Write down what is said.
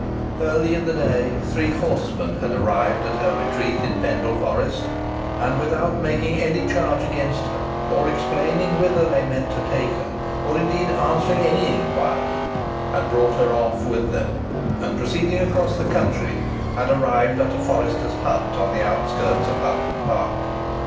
Early in the day three horsemen had arrived at her retreat in Pendle Forest, and without making any charge against her, or explaining whither they meant to take her, or indeed answering any inquiry, had brought her off with them, and, proceeding across the country, had arrived at a forester's hut on the outskirts of Hoghton Park.